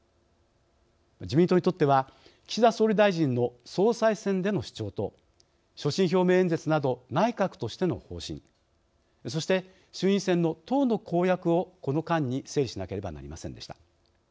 自民党にとっては岸田総理大臣の総裁選での主張と所信表明演説など内閣としての方針そして衆院選の党の公約をこの間に整理しなければなりませんでした。